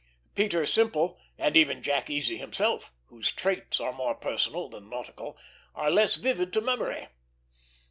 Peter Simple, and even Jack Easy himself, whose traits are more personal than nautical, are less vivid to memory.